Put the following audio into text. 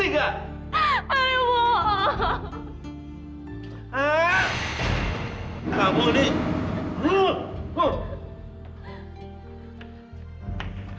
gak boleh tuh berarti gak